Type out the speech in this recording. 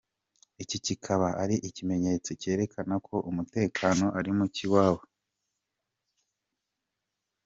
Iki kikaba ari ikimenyetso cyerekana ko umutekano ari muke iwabo.